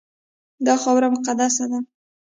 دا خاوره مقدسه ده.